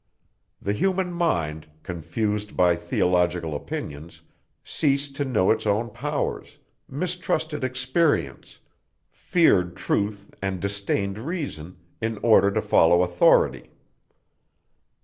The human mind, confused by theological opinions, ceased to know its own powers, mistrusted experience, feared truth and disdained reason, in order to follow authority.